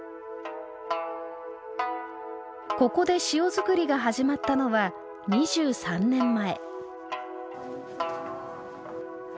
ここで塩作りが始まったのは２３年前。